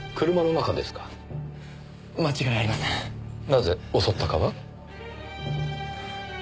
なぜ襲ったかは？